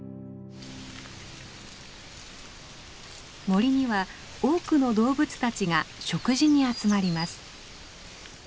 森には多くの動物たちが食事に集まります。